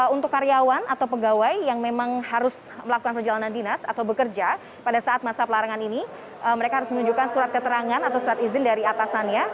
untuk karyawan atau pegawai yang memang harus melakukan perjalanan dinas atau bekerja pada saat masa pelarangan ini mereka harus menunjukkan surat keterangan atau surat izin dari atasannya